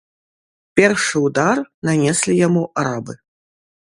Першы ўдар нанеслі яму арабы.